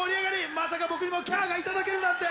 まさか僕にもキャーがいただけるなんて。